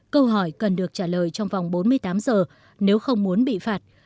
câu hỏi cần được trả lời trong vòng bốn mươi tám giờ nếu không muốn bị phạt